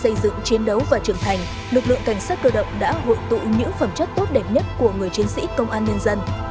đối với những người chiến đấu và trưởng thành lực lượng cảnh sát cơ động đã hội tụ những phẩm chất tốt đẹp nhất của người chiến sĩ công an nhân dân